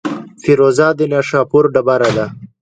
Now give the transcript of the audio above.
فیروزه د نیشاپور ډبره ده.